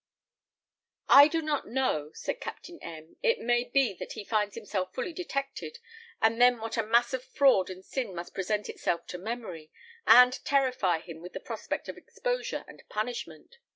"I do not know," said Captain M ; "it may be that he finds himself fully detected, and then what a mass of fraud and sin must present itself to memory, and terrify him with the prospect of exposure and punishment!